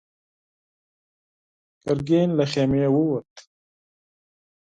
ګرګين له خيمې ووت.